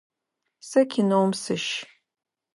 Сэ кинэум сыщ.